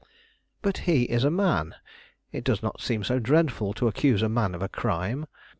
"But he is a man. It does not seem so dreadful to accuse a man of a crime.